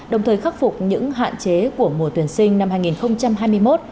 đồng thời khắc phục những hạn chế của mùa tuyển sinh năm hai nghìn hai mươi một